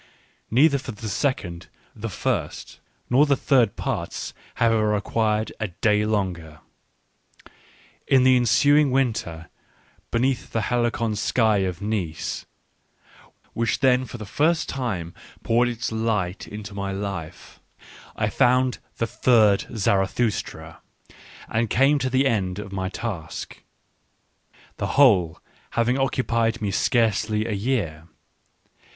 Neither for the second, the first, nor the third part, have I required a day longer. In the ensuing winter, beneath the halcyon sky of Nice, which then for the first time poured its light into my life, I found the third Zarathustra — and came to the end of my task: the whole having occupied me scarcely a year.